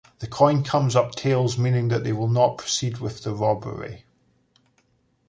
The coin comes up tails meaning they will not proceed with the robbery.